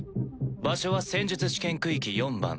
場所は戦術試験区域４番。